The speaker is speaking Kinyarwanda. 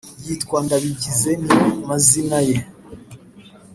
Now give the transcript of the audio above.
yitwa ndabagize niyo mazina ye